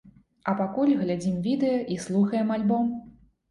А пакуль глядзім відэа і слухаем альбом!